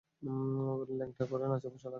ল্যাংটা করে নাচাবো শালাকে।